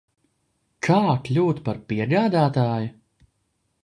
Kā kļūt par piegādātāju?